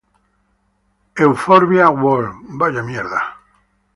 Euphorbia World.